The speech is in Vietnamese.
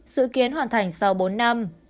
sự kiến hoàn thành sau bốn năm